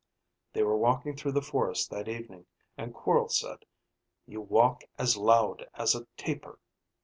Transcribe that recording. They were walking through the forest that evening, and Quorl said, "You walk as loud as a tapir."